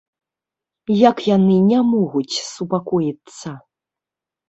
Як яны не могуць супакоіцца.